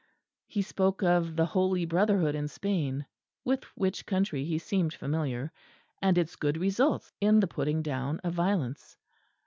He spoke of the Holy Brotherhood in Spain (with which country he seemed familiar), and its good results in the putting down of violence.